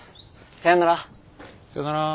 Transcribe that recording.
さよなら。